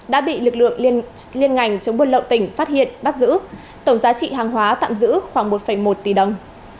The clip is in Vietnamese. đã bị lực lượng chống buôn lậu tỉnh phát hiện bắt giữ tổng giá trị hàng hóa tạm giữ khoảng một một tỷ đồng